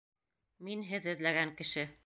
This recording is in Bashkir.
— Мин һеҙ эҙләгән кеше.